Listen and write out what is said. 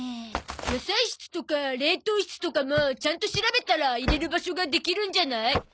野菜室とか冷凍室とかもちゃんと調べたら入れる場所ができるんじゃない？